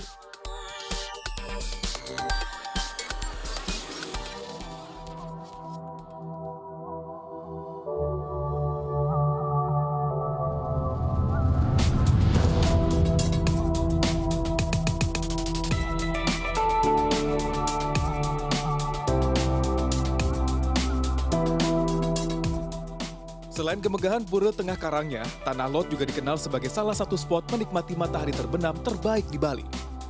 selain kemegahan pura tengah karangnya tanah lot juga dikenal sebagai salah satu spot menikmati matahari terbenam terbaik di bali